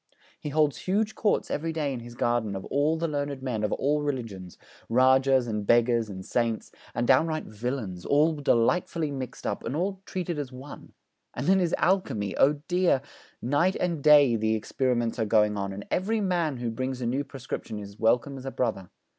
He holds huge courts every day in his garden of all the learned men of all religions Rajahs and beggars and saints, and downright villains, all delightfully mixed up, and all treated as one. And then his alchemy! Oh dear, night and day the experiments are going on, and every man who brings a new prescription is welcome as a brother.